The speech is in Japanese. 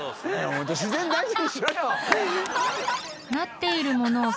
［なっているものを］